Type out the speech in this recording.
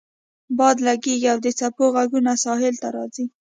باد لګیږي او د څپو غږونه ساحل ته راځي